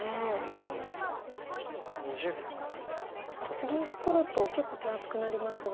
次取ると結構手厚くなりますが。